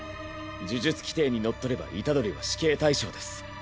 呪術規定にのっとれば虎杖は死刑対象です。